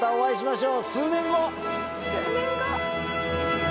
数年後！